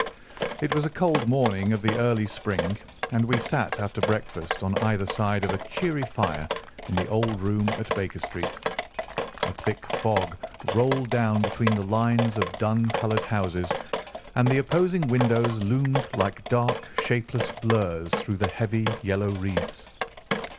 It was a cold morning of the early spring, and we sat after breakfast on either side of a cheery fire in the old room at Baker Street. A thick fog rolled down between the lines of dun coloured houses, and the opposing windows loomed like dark, shapeless blurs through the heavy yellow wreaths.